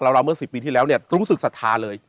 เราเมื่อ๑๐ปีที่แล้วเนี่ยรู้สึกศรัทธาเลย